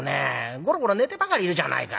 ゴロゴロ寝てばかりいるじゃないか」。